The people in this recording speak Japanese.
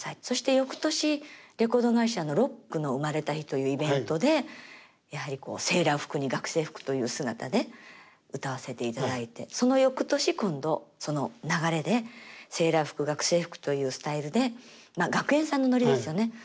そして翌年レコード会社の「ロックの生まれた日」というイベントでやはりセーラー服に学生服という姿で歌わせていただいてその翌年今度その流れでセーラー服学生服というスタイルでまあ学園祭のノリですよね。